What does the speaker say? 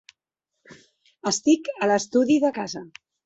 Estic a l’estudi de casa.